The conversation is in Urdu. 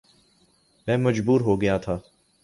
میں مجبور ہو گیا تھا